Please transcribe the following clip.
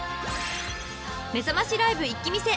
［めざましライブ一気見せ。